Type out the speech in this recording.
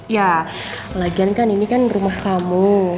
ya lagian kan ini kan rumah kamu